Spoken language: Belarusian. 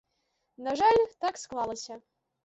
На жаль, так склалася.